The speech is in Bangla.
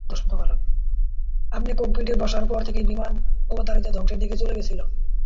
আপনি ককপিটে বসার পর থেকেই বিমান অবধারিত ধ্বংসের দিকে চলে গেছিলো।